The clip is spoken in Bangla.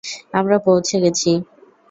আমরা পৌঁছে গেছি!